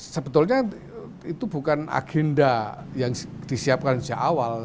sebetulnya itu bukan agenda yang disiapkan sejak awal